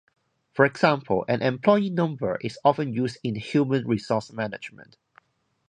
For example, an "employee number" is often used in human resource management.